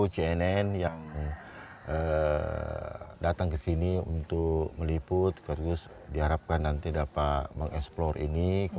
cnn yang datang ke sini untuk meliput terus diharapkan nanti dapat mengeksplor ini